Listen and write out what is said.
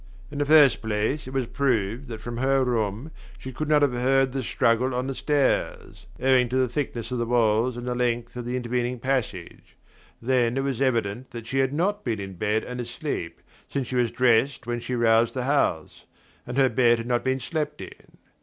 In the first place, it was proved that from her room she could not have heard the struggle on the stairs, owing to the thickness of the walls and the length of the intervening passage; then it was evident that she had not been in bed and asleep, since she was dressed when she roused the house, and her bed had not been slept in.